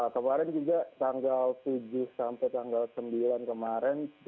kemarin juga tanggal tujuh sampai tanggal sembilan kemarin